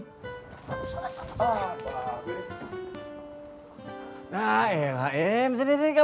tidak usah tak usah